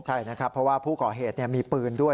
ใช่นะครับเพราะว่าผู้ก่อเหตุมีปืนด้วย